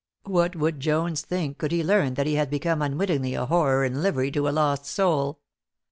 What would Jones think could he learn that he had become unwittingly a horror in livery to a lost soul?